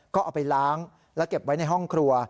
ก็เอาไปล้างและเก็บไว้ในห้องครัว